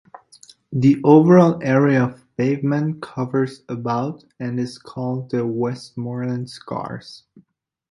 The overall area of pavement covers about and is called the Westmorland Scars.